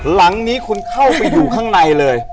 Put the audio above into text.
หลังนี้คุณเข้าไปอยู่ข้างในเลย